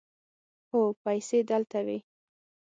هو، پیسې دلته وې